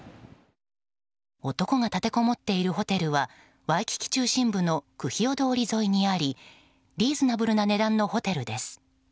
男が立てこもっているホテルはワイキキ中心部のクヒオ通り沿いにありリーズナブルな値段のホテルです。